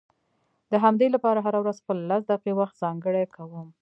د همدې لپاره هره ورځ خپل لس دقيقې وخت ځانګړی کوم.